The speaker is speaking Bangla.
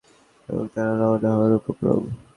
তাদের উদ্দেশ্য মক্কা আক্রমণ করা এবং তারা রওনা হওয়ার উপক্রম।